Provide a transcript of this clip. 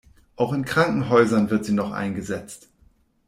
Auch in Krankenhäusern wird sie noch eingesetzt.